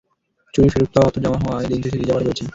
চুরির ফেরত পাওয়া অর্থ জমা হওয়ায় দিন শেষে রিজার্ভ আরও বেড়েছে।